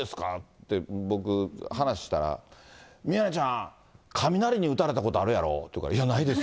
って、僕、話したら、宮根ちゃん、雷に打たれたことあるやろ？って言うから、いや、ないです。